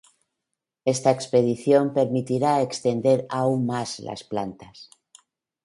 Esta expedición permitirá extender aún más las plantas.